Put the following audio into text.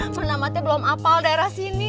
mana mati belum apal daerah sini